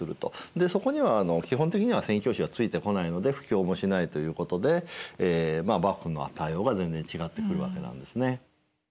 でそこには基本的には宣教師はついてこないので布教もしないということで幕府の対応が全然違ってくるわけなんですね。